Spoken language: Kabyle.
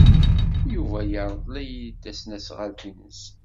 Yuba yerḍel-iyi-d tasnasɣalt-nnes.